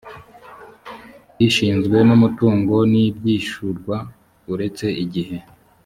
ishinzwe umutungo n ibyishyuzwa uretse igihe